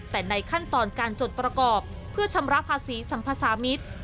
แต่ในขั้นตอนการจดประกอบเพื่อชำระภาษีสัมภาษามิตร